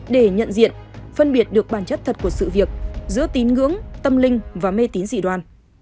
để nhận diện phân biệt được bản chất thật của sự việc giữa tín ngưỡng tâm linh và mê tín dị đoàn